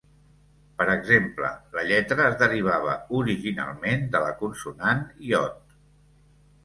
Per exemple, la lletra es derivava originalment de la consonant "yod".